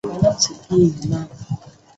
最简单的累积二烯烃是丙二烯。